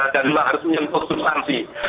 dan juga harus menyentuh substansi